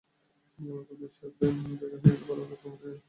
তোমাদের সাথে দেখা হয়ে ভালো লাগল, আমার ইটারনাল ভাই-বোনেরা।